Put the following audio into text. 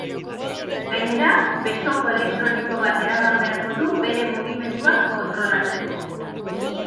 Gainera, besoko elektroniko bat eraman beharko du bere mugimenduak kontrolatzeko.